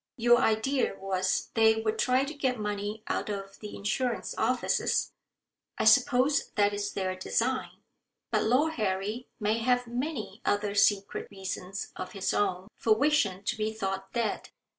Your idea was they would try to get money out of the Insurance Offices. I suppose that is their design. But Lord Harry may have many other secret reasons of his own for wishing to be thought dead.